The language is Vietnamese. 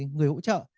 người hỗ trợ